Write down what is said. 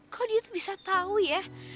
kok dia tuh bisa tahu ya